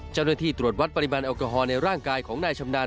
เจ้าหน้าที่ตรวจวัดปริมาณแอลกอฮอลในร่างกายของนายชำนาญ